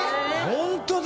ホントだ！